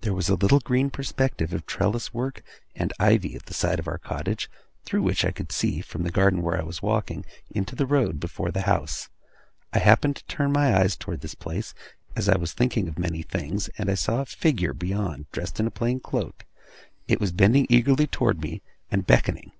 There was a little green perspective of trellis work and ivy at the side of our cottage, through which I could see, from the garden where I was walking, into the road before the house. I happened to turn my eyes towards this place, as I was thinking of many things; and I saw a figure beyond, dressed in a plain cloak. It was bending eagerly towards me, and beckoning.